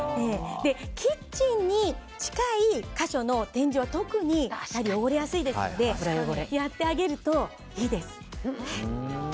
キッチンに近い箇所の天井は特に特に汚れやすいですのでやってあげるといいです。